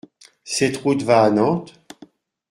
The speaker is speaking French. Cette route va à Nantes ?